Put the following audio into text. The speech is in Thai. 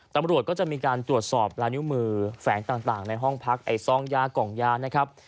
ตำรวจก็จะมีการตรวจสอบลายนิ้วมือแฝงต่างในห้องพักไอ้ซองยากล่องยานะครับ